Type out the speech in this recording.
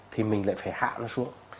thì mình lại phải hạ nó xuống